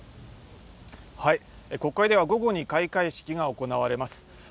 国会では午後に開会式が行われます